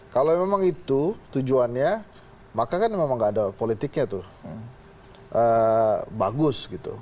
kalau memang itu tujuannya maka kan memang tidak ada politiknya bagus